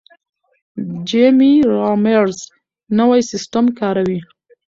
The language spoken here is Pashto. جیمي رامیرز نوی سیستم کاروي.